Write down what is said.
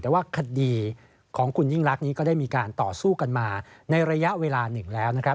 แต่ว่าคดีของคุณยิ่งรักนี้ก็ได้มีการต่อสู้กันมาในระยะเวลาหนึ่งแล้วนะครับ